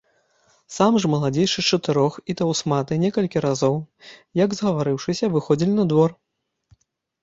Самы ж маладзейшы з чатырох і таўсматы некалькі разоў, як згаварыўшыся, выходзілі на двор.